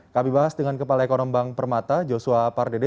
kami bahas dengan kepala ekonomi bank permata joshua pardede